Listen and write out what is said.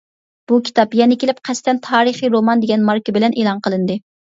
بۇ كىتاب، يەنە كېلىپ قەستەن تارىخى رومان دېگەن ماركا بىلەن ئېلان قىلىندى.